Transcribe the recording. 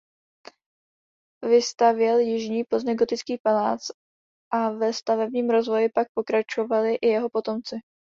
Vystavěl jižní pozdně gotický palác a ve stavebním rozvoji pak pokračovali i jeho potomci.